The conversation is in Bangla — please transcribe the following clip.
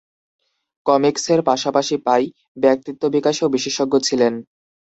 কমিকসের পাশাপাশি পাই ব্যক্তিত্ব বিকাশেও বিশেষজ্ঞ ছিলেন।